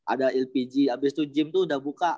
ada lpg abis itu gym tuh udah buka